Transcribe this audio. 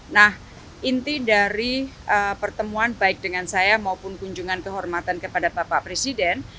nah inti dari pertemuan baik dengan saya maupun kunjungan kehormatan kepada bapak presiden